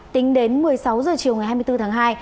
tính đến một mươi sáu h chiều ngày hai mươi bốn tháng hai